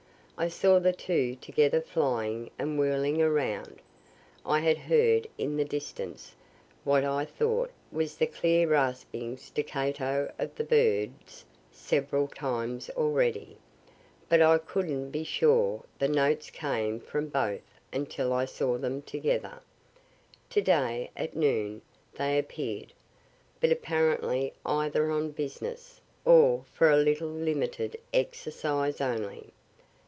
I saw the two together flying and whirling around. I had heard, in the distance, what I thought was the clear rasping staccato of the birds several times already but I couldn't be sure the notes came from both until I saw them together. To day at noon they appear'd, but apparently either on business, or for a little limited exercise only.